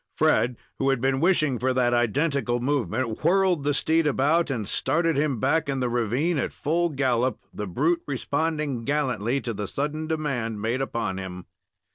Fred, who had been washing for that identical movement, whirled the steed about and started him back in the ravine at full gallop, the brute responding gallantly to the sudden demand made upon him.